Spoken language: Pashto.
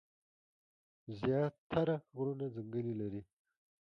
زيات تره غرونه ځنګلې لري ـ